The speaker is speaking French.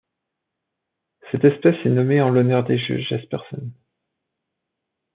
Cette espèce est nommée en l'honneur d'Åse Jespersen.